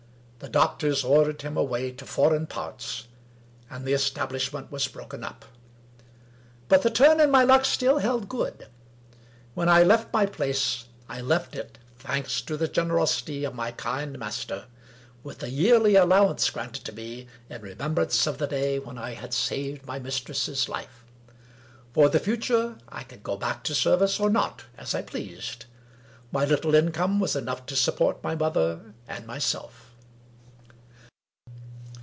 The doctors ordered him away to foreign parts, and the establishment was broken up. But the turn in my luck still held good. When I left my place, I left it — ^thanks to the generosity of my kind master — with a yearly allowance granted to me, in remembrance of the day when I had saved my mistress's life. For the future, I could go back to service or not, as I pleased; my little income was enough to support my mother and my self.